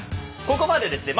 ここまでですね